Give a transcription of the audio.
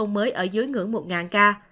mới ở dưới ngưỡng một ca